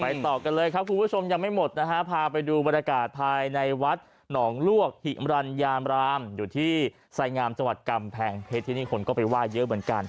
ต่อกันเลยครับคุณผู้ชมยังไม่หมดนะฮะพาไปดูบรรยากาศภายในวัดหนองลวกหิมรัญญามรามอยู่ที่ไสงามจังหวัดกำแพงเพชรที่นี่คนก็ไปไหว้เยอะเหมือนกัน